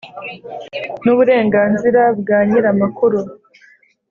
n uburenganzira bwa nyir amakuru